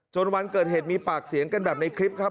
วันเกิดเหตุมีปากเสียงกันแบบในคลิปครับ